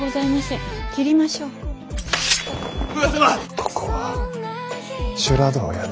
ここは修羅道やな。